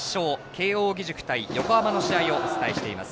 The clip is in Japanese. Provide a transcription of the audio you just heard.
慶応義塾対横浜の試合をお伝えしています。